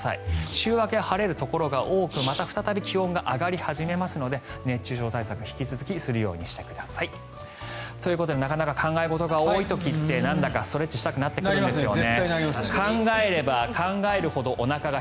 週明け、晴れるところが多くまた再び気温が上がり始めますので熱中症対策、引き続きするようにしてください。ということでなかなか考え事が多い時ってなんだかストレッチしたくなりますよね。